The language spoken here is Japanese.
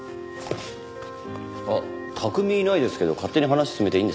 あっ拓海いないですけど勝手に話進めていいんですか？